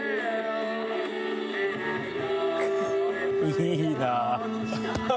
いいな。